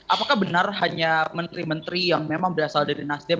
apakah benar hanya menteri menteri yang memang berasal dari nasdem